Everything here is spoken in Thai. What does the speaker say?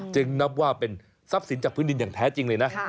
นับว่าเป็นทรัพย์สินจากพื้นดินอย่างแท้จริงเลยนะ